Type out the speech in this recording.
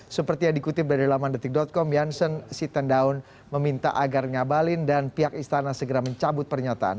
seperti yang dikutip dari lamandetik com jansen sitandaun meminta agar ngabalin dan pihak istana segera mencabut pernyataan